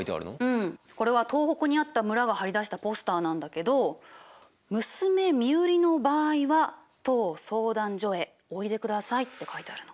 うんこれは東北にあった村が貼り出したポスターなんだけど「娘身売りの場合は当相談所へおいで下さい」って書いてあるの。